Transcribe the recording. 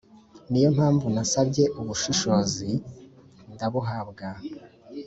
Ni yo mpamvu nasabye ubushishozi, ndabuhabwa ;